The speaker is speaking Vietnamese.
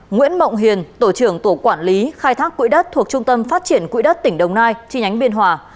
nguyễn mộng hiền tổ trưởng tổ quản lý khai thác quỹ đất thuộc trung tâm phát triển quỹ đất tp đồng nai tp biên hòa